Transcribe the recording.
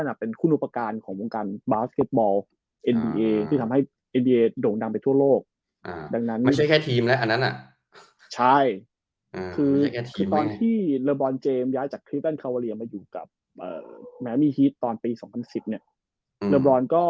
หลังจากคลิปการ์ดคอวอเรียมาอยู่กับแม้มีฮีทตอนปี๒๐๑๐